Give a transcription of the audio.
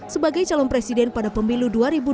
sebagai calon presiden pada pemilu dua ribu dua puluh